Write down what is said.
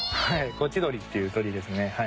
コチドリっていう鳥ですね。